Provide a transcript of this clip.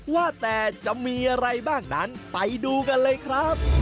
ว่าแต่จะมีอะไรบ้างนั้นไปดูกันเลยครับ